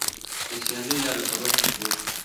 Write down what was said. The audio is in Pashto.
د سيالي يا رقابت ميتود: